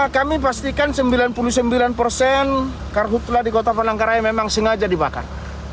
kami pastikan sembilan puluh sembilan persen karhutlah di kota palangkaraya memang sengaja dibakar